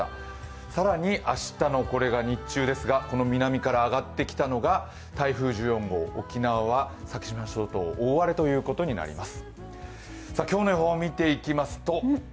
更に明日の日中ですが、南から上がってきたのが台風１４号、沖縄は先島諸島、大荒れということになります。